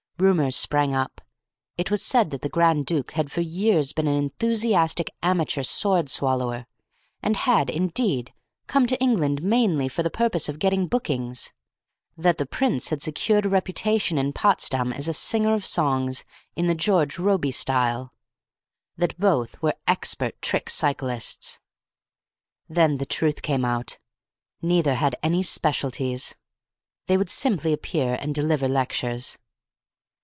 Rumours sprang up. It was said that the Grand Duke had for years been an enthusiastic amateur sword swallower, and had, indeed, come to England mainly for the purpose of getting bookings; that the Prince had a secure reputation in Potsdam as a singer of songs in the George Robey style; that both were expert trick cyclists. Then the truth came out. Neither had any specialities; they would simply appear and deliver lectures.